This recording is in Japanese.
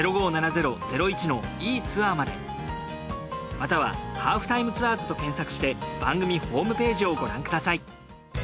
または『ハーフタイムツアーズ』と検索して番組ホームページをご覧ください。